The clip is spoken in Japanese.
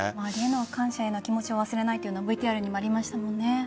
感謝の気持ちを忘れないというのはＶＴＲにもありましたもんね。